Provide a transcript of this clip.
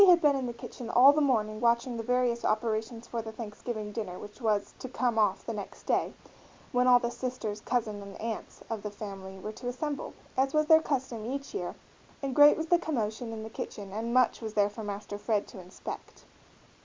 ] Freddie had been in the kitchen all the morning watching the various operations for the Thanksgiving dinner which was "to come off" the next day, when all the "sisters, cousins, and aunts" of the family were to assemble, as was their custom each year, and great was the commotion in the kitchen and much there was for Master Fred to inspect.